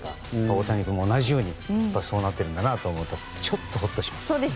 大谷君も同じようにそうなってるんだなと思うとちょっと、ほっとします。